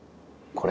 これ。